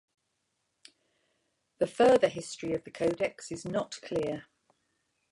The further history of the codex is not clear.